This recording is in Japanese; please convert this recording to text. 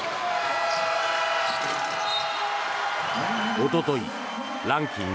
おととい、ランキング